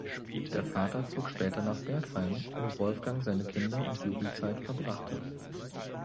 Der Vater zog später nach Bergheim, wo Wolfgang seine Kinder- und Jugendzeit verbrachte.